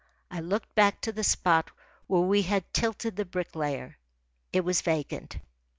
I looked back to the spot where we had tilted the Bricklayer. It was vacant.